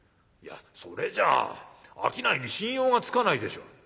「いやそれじゃあ商いに信用がつかないでしょ」。